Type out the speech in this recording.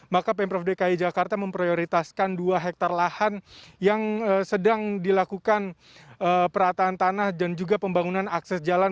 maka pemprov dki jakarta memprioritaskan dua hektare lahan yang sedang dilakukan perataan tanah dan juga pembangunan akses jalan